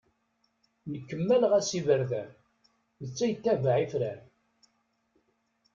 Nekk mmaleɣ-as iberdan, netta yettabaε ifran.